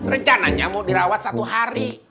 rencananya mau dirawat satu hari